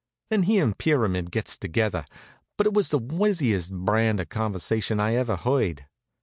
Then he an' Pyramid gets together; but it was the wizziest brand of conversation I ever heard.